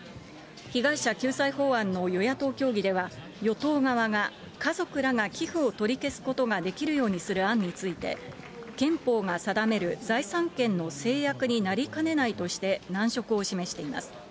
被害者救済法案の与野党協議では、与党側が、家族らが寄付を取り消すことができるようにする案について、憲法が定める財産権の制約になりかねないとして、難色を示しています。